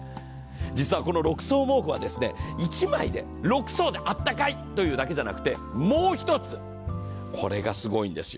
実はこの６層毛布は１枚であったかいというだけではなくて、もう１つ、これがすごいんですよ。